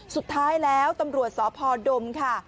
สุดท้ายแล้วตำรวจสพดมค่ะ